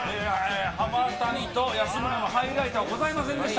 浜谷とやすむらのハイライトございませんでした。